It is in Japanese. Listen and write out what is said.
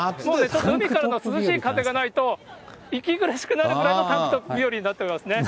ちょっと海からの涼しい風がないと、息苦しくなるぐらいのタンクトップ日和になっておりますね。